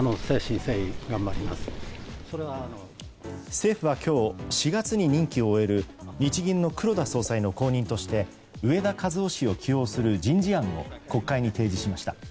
政府は今日４月に任期を終える日銀の黒田総裁の後任として植田和男氏を起用する人事案を国会に提示しました。